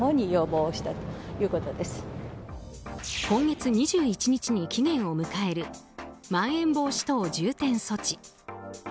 今月２１日に期限を迎えるまん延防止等重点措置。